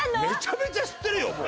めちゃめちゃ知ってるよ